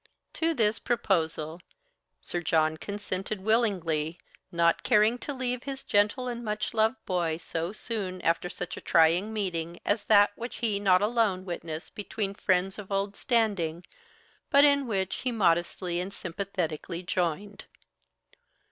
To this proposal Sir John consented willingly, not caring to leave his gentle and much loved boy so soon after such a trying meeting as that which he not alone witnessed between friends of old standing, but in which he modestly and sympathetically joined.